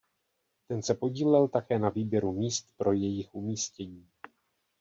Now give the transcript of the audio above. Ten se podílel také na výběru míst pro jejich umístění.